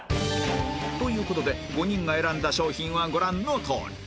という事で５人が選んだ商品はご覧のとおり